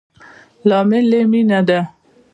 لامل يي مينه ده